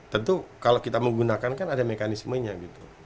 tentu kalau kita menggunakan kan ada mekanismenya gitu